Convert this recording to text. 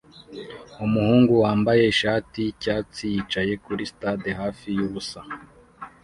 Umuhungu wambaye ishati yicyatsi yicaye kuri stade hafi yubusa